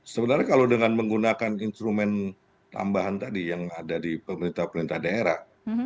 sebenarnya kalau dengan menggunakan instrumen tambahan tadi yang ada di pemerintah pemerintah daerah